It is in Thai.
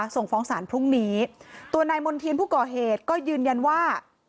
ส่งฟ้องสารพรุ่งนี้ตัวนายมณ์เทียนผู้ก่อเหตุก็ยืนยันว่า